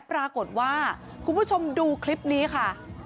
ปรากฏว่าคุณผู้ชมดูคลิปนี้ค่ะ